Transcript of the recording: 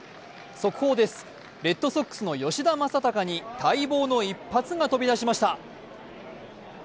速報です、レッドソックスの吉田正尚に待望の一発が飛び出しました。